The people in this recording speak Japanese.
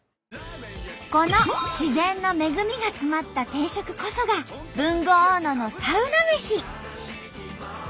この自然の恵みがつまった定食こそが豊後大野のサウナ飯。